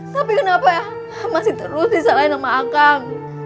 tapi kenapa ya masih terus disalahin sama akang